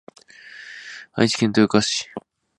愛知県豊川市